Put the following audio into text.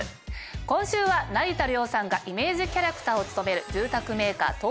今週は成田凌さんがイメージキャラクターを務める住宅メーカー